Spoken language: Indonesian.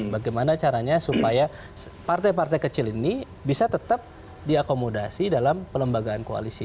bagaimana caranya supaya partai partai kecil ini bisa tetap diakomodasi dalam pelembagaan koalisi